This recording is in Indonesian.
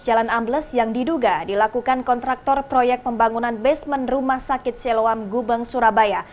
jalan ambles yang diduga dilakukan kontraktor proyek pembangunan basement rumah sakit seloam gubeng surabaya